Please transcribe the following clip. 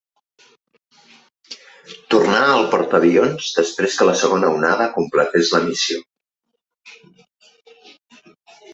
Tornà al portaavions després que la segona onada completés la missió.